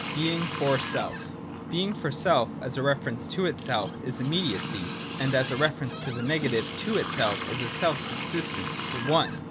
(c) Being far self. 98.] (a) Being for self, as reference to itself, is imme diacy, and as reference of the negative to itself, is a self subsistent, the One.